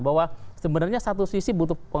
bahwa sebenarnya satu sisi butuh